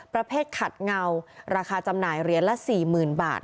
ประเภทขัดเงาราคาจำหน่ายเหรียญละ๔๐๐๐บาท